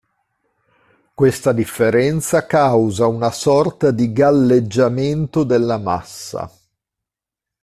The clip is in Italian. Questa differenza causa una sorta di "galleggiamento" della massa.